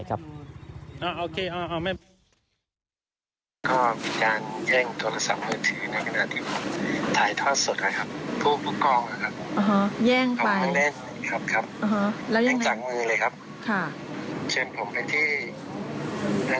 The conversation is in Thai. อ๋อโอเคอ๋ออ๋อแม่